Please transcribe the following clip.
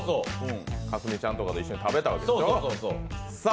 架純ちゃんとかと一緒に食べたわけでしょ。